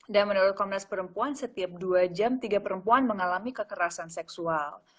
dan menurut komunas perempuan setiap dua jam tiga perempuan mengalami kekerasan seksual